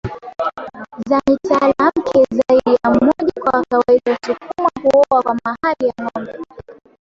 za mitaalamke zaidi ya mmojaKwa kawaida wasukuma huoa kwa mahali ya ngombe